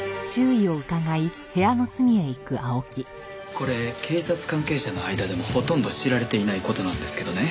これ警察関係者の間でもほとんど知られていない事なんですけどね。